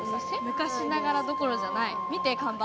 昔ながらどころじゃない、見て看板。